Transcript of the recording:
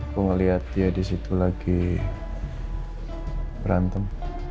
aku ngeliat dia disitu lagi berantem